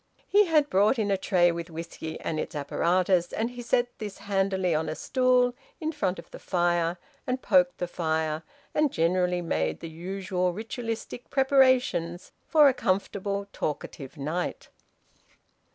He had brought in a tray with whisky and its apparatus, and he set this handily on a stool in front of the fire, and poked the fire, and generally made the usual ritualistic preparations for a comfortable talkative night.